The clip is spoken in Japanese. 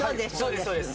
そうです。